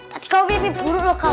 tadi kamu lebih buruk kal